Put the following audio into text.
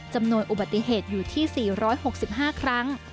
จำนวนอุบัติเหตุอยู่ที่๔๖๕ครั้ง